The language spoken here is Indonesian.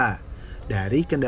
dari kendaraan perjalanan